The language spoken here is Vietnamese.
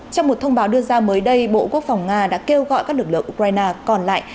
trong một thông báo đưa ra mới đây bộ quốc phòng nga đã kêu gọi các lực lượng ukraine còn lại